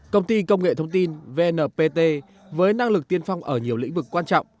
công ty công nghệ thông tin vnpt với năng lực tiên phong ở nhiều lĩnh vực quan trọng